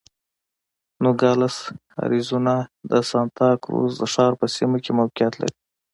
نوګالس اریزونا د سانتا کروز ښار په سیمه کې موقعیت لري.